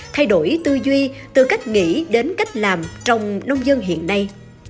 thay đổi tư duy từ cách nghĩ đến cách làm trong nông dân hiện nay